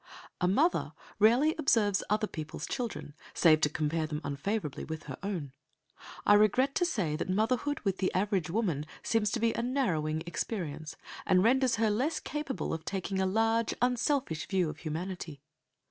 A mother rarely observes other people's children, save to compare them unfavourably with her own. I regret to say that motherhood with the average woman seems to be a narrowing experience, and renders her less capable of taking a large, unselfish view of humanity.